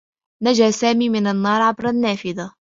نجى سامي من النّار عبر النّافذة.